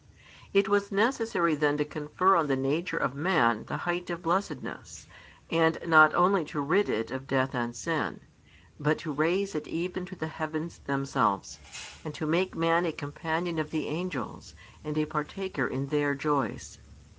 It was necessary then to confer on the nature of |442 man the height of blessedness, and not only to rid it of death and sin, but to raise it even to the heavens themselves, and to make man a companion of the angels, and a partaker in their joys.